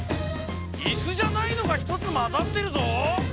イスじゃないのがひとつまざってるぞ！